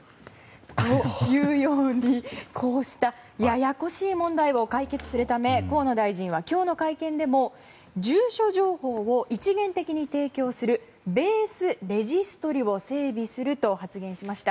というように、こうしたややこしい問題を解決するため河野大臣は今日の会見でも住所情報を一元的に提供するベース・レジストリを整備すると発言しました。